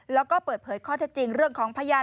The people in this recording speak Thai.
แล้วก็เปิดเผยข้อเท็จจริงเรื่องของพยาน